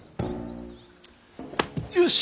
よし！